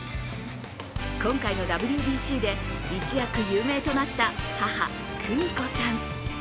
今回のＷＢＣで一躍有名となった母・久美子さん。